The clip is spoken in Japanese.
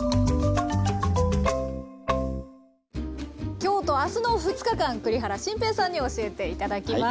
今日と明日の２日間栗原心平さんに教えて頂きます。